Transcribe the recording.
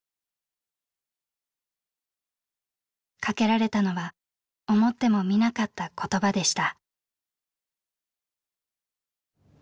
かけられたのは思ってもみなかった言葉でした。